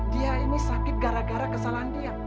dia ini sakit gara gara kesalahan dia